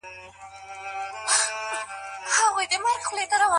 هغه وويل چي مځکه ارزښت لري.